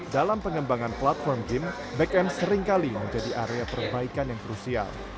dalam pengembangan platform game back end seringkali menjadi area perbaikan yang krusial